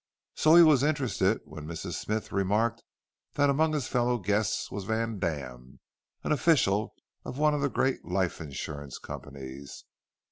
So he was interested when Mrs. Smythe remarked that among his fellow guests was Vandam, an official of one of the great life insurance companies.